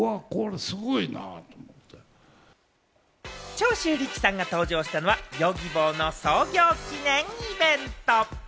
長州力さんが登場したのは、Ｙｏｇｉｂｏの創業記念イベント。